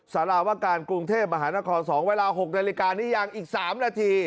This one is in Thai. สารวการกรุงเทพมหานคร๒เวลา๖นาฬิกานี้ยังอีก๓นาที